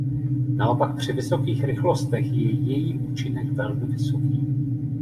Naopak při vysokých rychlostech je její účinek velmi vysoký.